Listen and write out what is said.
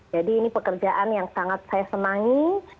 jadi ini pekerjaan yang sangat saya senangi